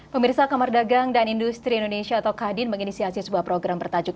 pemirsa kamar dagang dan industri indonesia atau kadin menginisiasi sebuah program bertajuk